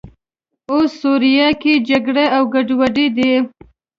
اوس سوریه کې جګړې او ګډوډۍ دي.